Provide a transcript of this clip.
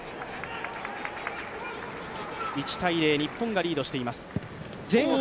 １−０、日本がリードしています。